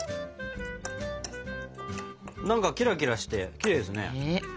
何かキラキラしてきれいですね。